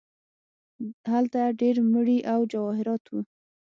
هلته ډیر مړي او جواهرات وو.